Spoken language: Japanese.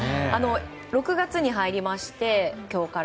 ６月に入りまして、今日から。